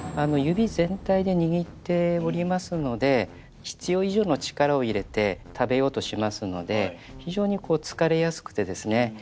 指全体で握っておりますので必要以上の力を入れて食べようとしますので非常にこう疲れやすくてですね